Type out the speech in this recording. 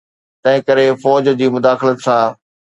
تنهنڪري فوج جي مداخلت سان.